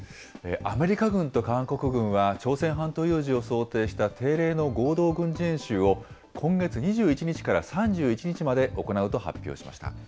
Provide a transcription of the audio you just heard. アメリカ軍と韓国軍は、朝鮮半島有事を想定した定例の合同軍事演習を、今月２１日から３１日まで行うと発表しました。